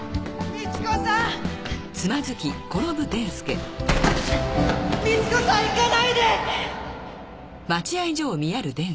みち子さん行かないで！